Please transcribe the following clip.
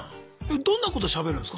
どんなことしゃべるんすか？